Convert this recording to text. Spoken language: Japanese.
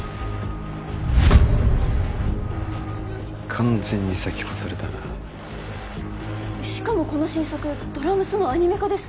完全に先越されたなしかもこの新作ドラ娘のアニメ化です